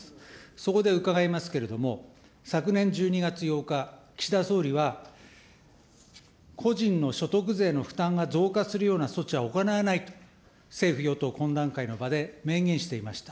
そこで伺いますけれども、昨年１２月８日、岸田総理は、個人の所得税の負担が増加するような措置は行わないと、政府与党懇談会の場で、明言していました。